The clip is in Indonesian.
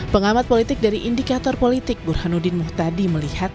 pengamat politik dari indikator politik burhanuddin muhtadi melihat